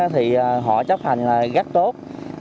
thì họ chấp hành rất tốt